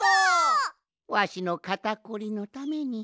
わしのかたこりのために。